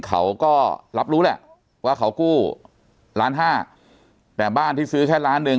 เขาก็รับรู้แหละว่าเขากู้ล้านห้าแต่บ้านที่ซื้อแค่ล้านหนึ่ง